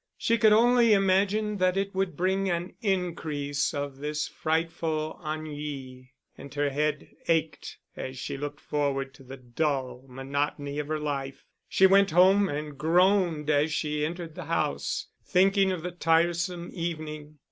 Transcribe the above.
She could only imagine that it would bring an increase of this frightful ennui, and her head ached as she looked forward to the dull monotony of her life. She went home, and groaned as she entered the house, thinking of the tiresome evening.